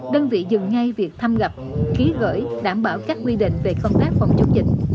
đơn vị dừng ngay việc thăm gặp ký gửi đảm bảo các quy định về công tác phòng chống dịch